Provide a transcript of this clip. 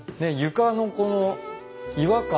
床のこの違和感。